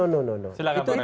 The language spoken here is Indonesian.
tidak tidak tidak